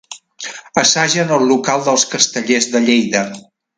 Assagen al local dels Castellers de Lleida.